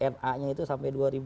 ma nya itu sampai dua ribu